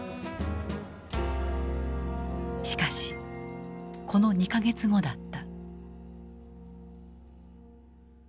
しかしこの２か月後だった。